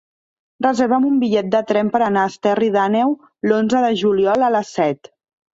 Reserva'm un bitllet de tren per anar a Esterri d'Àneu l'onze de juliol a les set.